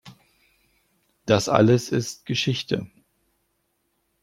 Das alles ist Geschichte.